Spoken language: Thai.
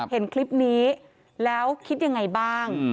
เห็นคลิปนี้แล้วคิดยังไงบ้าง